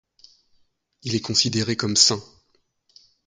Il est considéré comme saint.